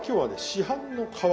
市販の皮。